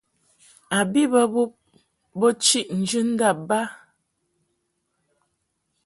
A bi bə bub bo chiʼ njɨndab ba.